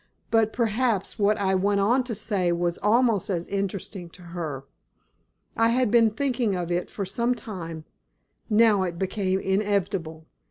But perhaps what I went on to say was almost as interesting to her. I had been thinking of it for some time, now it became inevitable.